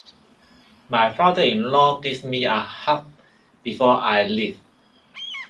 My father-in-law gave me a hug before I left.